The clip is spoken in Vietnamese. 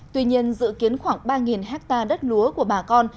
tuy nhiên dự kiến khoảng ba hectare đất lúa của bà con